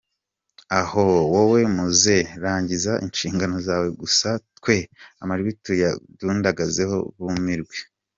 Ahoooooooooo!!!!!!! Wowe muzehe rangiza inshingano zawe gusa twe amajwi tuyagundagazeho bumirwe!!!!.